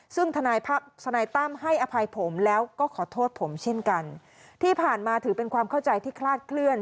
ซึ่งทนายตั้มให้อภัยผมแล้วก็ขอโทษผมเช่นกันที่ผ่านมาถือเป็นความเข้าใจที่คลาดเคลื่อน